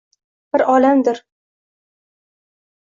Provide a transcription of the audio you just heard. Bir olamdir